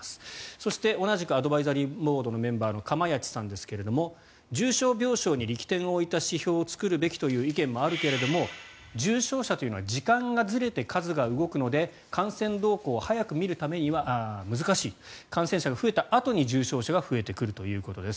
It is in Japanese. そして、同じくアドバイザリーボードのメンバーの釜萢さんですけれども重症病床に力点を置いた指標を作るべきという意見もあるけれども重症者というのは時間がずれて数が動くので感染動向を早く見るためには難しい感染者が増えたあとに重症者が増えてくるということです。